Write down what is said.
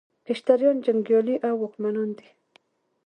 کشتریان جنګیالي او واکمنان وو.